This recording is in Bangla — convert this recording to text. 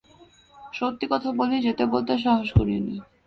সত্যি কথা বলি, যেতে বলতে সাহস করি নে।